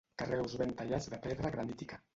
carreus ben tallats de pedra granítica